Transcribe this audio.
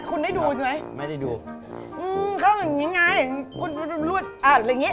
คุณได้ดูใช่ไหมไม่ได้ดูอืมเขาอย่างงี้ไงอ่าอย่างงี้อ๋อ